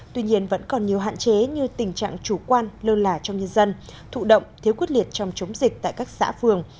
tuy nhiên vẫn còn nhiều hạn chế như tình trạng chủ quan lơ lả trong nhân dân thụ động thiếu quyết liệt trong chống dịch tại các xã phường